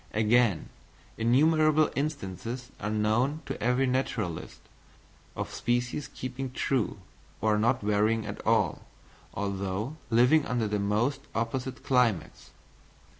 Again, innumerable instances are known to every naturalist, of species keeping true, or not varying at all, although living under the most opposite climates.